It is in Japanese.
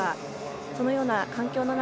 そのような環境の中